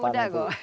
masih muda kok